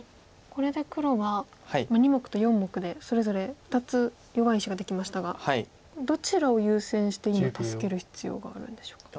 これで黒は２目と４目でそれぞれ２つ弱い石ができましたがどちらを優先して今助ける必要があるんでしょうか。